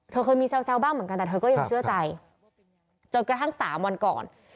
เคยมีแซวบ้างเหมือนกันแต่เธอก็ยังเชื่อใจจนกระทั่ง๓วันก่อน